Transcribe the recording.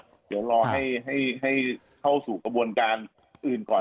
เดี๋ยวรอให้เข้าสู่กระบวนการอื่นก่อน